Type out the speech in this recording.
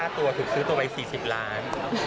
ตัวถูกซื้อตัวไป๔๐ล้าน